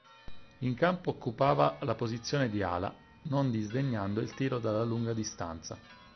In campo occupava la posizione di ala, non disdegnando il tiro dalla lunga distanza.